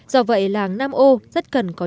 do vậy làng nam âu rất cần có nhu cầu